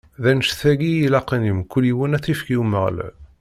D annect-agi i ilaqen i mkul yiwen ad t-ifk i Umeɣlal.